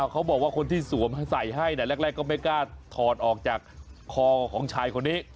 เขาบอกว่าคนที่สวมใส่ให้แรกก็ไม่กล้าถอดออกจากคอของชายคนนี้